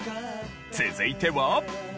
続いては。